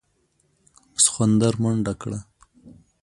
سخوندر منډه کړه.